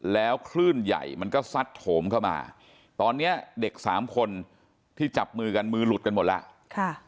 แล้วคลื่นใหญ่มันก็ซัดโถมเข้ามาตอนนี้เด็กสามคนที่จับมือกันมือหลุดกันหมดแล้ว